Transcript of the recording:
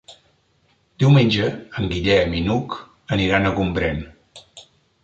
Diumenge en Guillem i n'Hug aniran a Gombrèn.